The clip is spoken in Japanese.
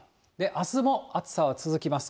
あすも暑さは続きます。